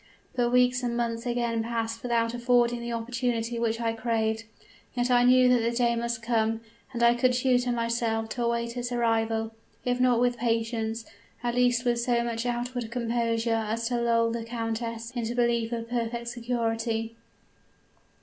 But weeks and months again passed without affording the opportunity which I craved; yet I knew that the day must come and I could tutor myself to await its arrival, if not with patience, at least with so much outward composure as to lull the countess into belief of perfect security.